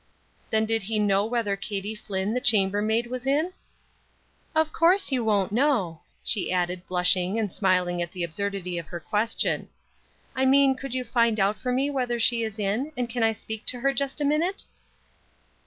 Then did he know whether Katie Flinn, the chamber maid, was in? "Of course you won't know," she added, blushing and smiling at the absurdity of her question. "I mean could you find out for me whether she is in, and can I speak to her just a minute?"